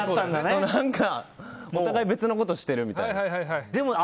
お互い別のことをしているみたいな。